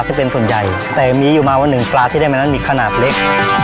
จะเป็นส่วนใหญ่แต่มีอยู่มาว่าหนึ่งปลาที่ได้มานั้นมีขนาดเล็ก